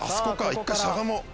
一回しゃがもう。